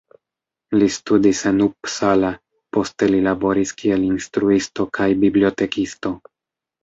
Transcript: Li studis en Uppsala, poste li laboris kiel instruisto kaj bibliotekisto.